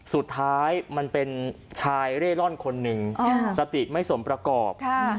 สุดท้ายมันเป็นชายเร่ร่อนคนหนึ่งสติไม่สมประกอบ